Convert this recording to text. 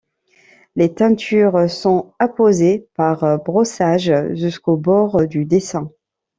Les teintures sont apposées par brossage jusqu'aux bords du dessin.